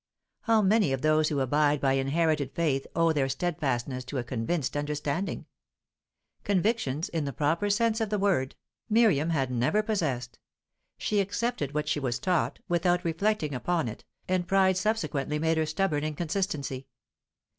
How many of those who abide by inherited faith owe their steadfastness to a convinced understanding? Convictions, in the proper sense of the word, Miriam had never possessed; she accepted what she was taught, without reflecting upon it, and pride subsequently made her stubborn in consistency.